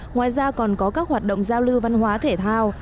ngoài ra còn có các hoạt động giao lưu văn hóa thể thao